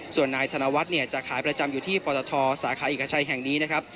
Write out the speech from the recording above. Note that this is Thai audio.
ส่วนนายธนวัฒน์เนี่ยจะขายประจำอยู่ที่ปตทสาขาเอกชัยแห่งนี้นะครับ